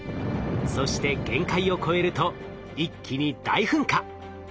そして限界を超えると一気に大噴火。